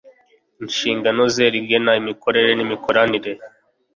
inshingano ze rigena imikorere n imikoranire